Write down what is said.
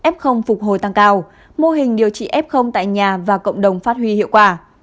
f phục hồi tăng cao mô hình điều trị f tại nhà và cộng đồng phát huy hiệu quả